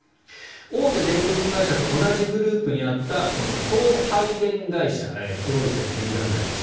大手電力会社と同じグループにあったこの送配電会社黒い線の右側になります。